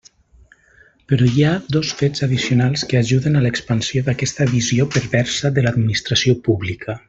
Però hi ha dos fets addicionals que ajuden a l'expansió d'aquesta visió perversa de l'administració pública.